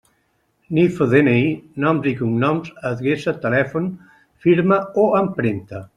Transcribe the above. NIF o DNI, nom i cognoms, adreça, telèfon, firma o empremta.